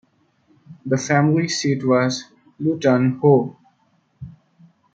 The family seat was Luton Hoo.